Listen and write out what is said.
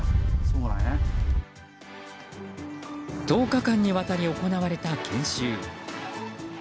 １０日間にわたり行われた研修。